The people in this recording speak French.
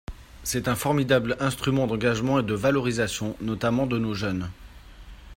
C’est un formidable instrument d’engagement et de valorisation, notamment de nos jeunes.